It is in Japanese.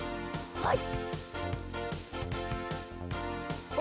はい。